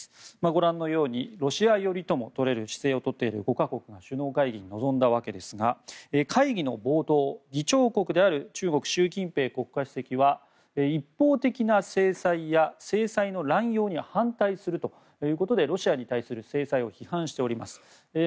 ご覧のようにロシア寄りとも取れる姿勢を取っている５か国が首脳会議に臨んだわけですが会議の冒頭議長国である中国の習近平国家主席は一方的な制裁や制裁の乱用に反対するということでロシアに対する制裁を批判しています。